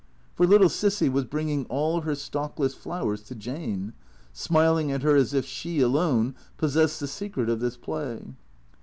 For little Cissy was bringing all her stalkless flowers to Jane; smiling at her as if she alone possessed the secret of this play.